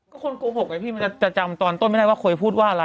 ก็คนโกหกไงพี่มันจะจำตอนต้นไม่ได้ว่าเคยพูดว่าอะไร